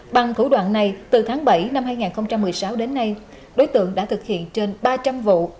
bằng thủ đoạn này từ tháng bảy năm hai nghìn một mươi sáu đến nay đối tượng đã thực hiện trên ba trăm linh vụ